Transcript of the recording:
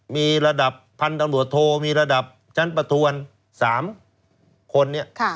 มีระดับพันธุ์ตำรวจโทมีระดับชั้นประทวน๓คนเนี่ย